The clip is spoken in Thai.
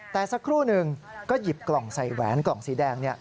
แต่สักครู่หนึ่งก็หยิบกล่องใส่แหวนกล่องสีแดง